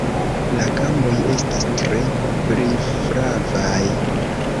La gamboj estas tre brilflavaj.